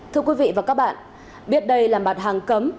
thưa quý vị và các bạn biết đây là mặt hàng cấm